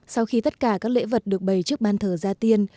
sau khi tất cả các lễ vật được bày trước ban thờ gia tiên